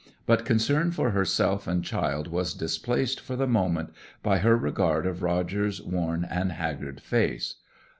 But concern for herself and child was displaced for the moment by her regard of Roger's worn and haggard face.